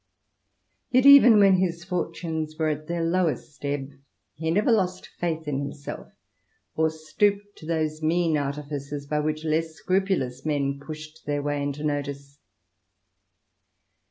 . Yet even when his fortunes were at their lowest ebb he never lost faith in himself, or stooped to those mean artifices by which less scrupulous men pushed their way into notice.